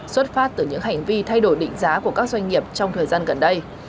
xuất phát từ những hành vi thay đổi định giá của các doanh nghiệp trong thời gian gần đây